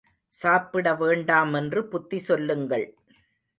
சாப்பிட வேண்டாமென்று புத்தி சொல்லுங்கள்.